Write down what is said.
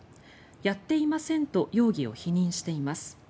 やっていませんと容疑を否認しています。